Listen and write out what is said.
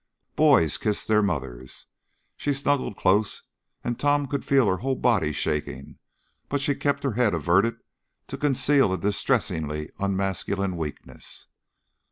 Boys kiss their mothers. She snuggled close, and Tom could feel her whole body shaking; but she kept her head averted to conceal a distressingly unmasculine weakness.